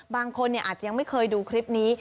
บางคนเนี่ยอาจยังไม่เคยดูคลิปนี้